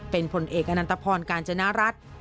เป็นผลเอกอนันตพรกาญจนรัฐ